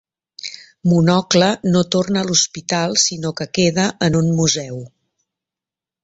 "Monocle" no torna a l'hospital sinó que queda en un museu.